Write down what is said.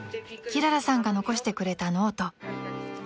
［きららさんが残してくれたノート］